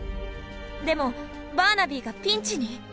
でもバーナビーがピンチに！